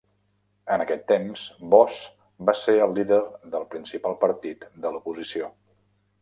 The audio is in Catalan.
En aquest temps Bos va ser el líder del principal partit de l'oposició.